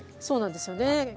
そうなんですよね。